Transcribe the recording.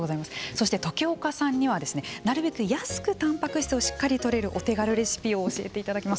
そして、時岡さんにはなるべく安くたんぱく質をしっかりとれるお手軽レシピを教えていただきます。